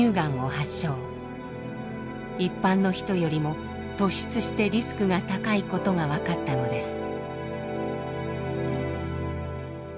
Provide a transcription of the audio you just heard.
一般の人よりも突出してリスクが高いことが分かったのです。